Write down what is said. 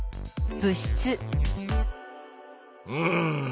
うん。